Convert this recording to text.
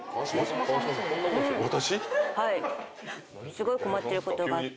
すごい困ってることがあって。